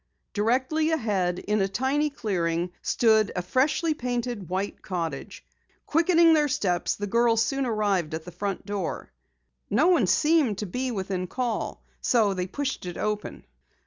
Directly ahead, in a tiny clearing, stood a freshly painted white cottage. Quickening their steps, the girls soon arrived at the front door. No one seemed to be within call, so they pushed it open.